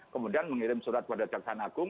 kemudian mengirim surat pada jaksaan agung